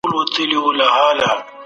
انرژي که مهار نه شي تاوتريخوالی جوړوي.